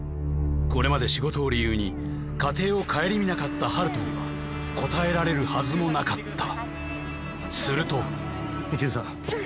これまで仕事を理由に家庭を顧みなかった温人には答えられるはずもなかったすると未知留さん